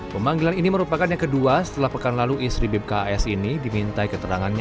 pemanggilan ini merupakan yang kedua setelah pekan lalu istri bipkas ini dimintai keterangannya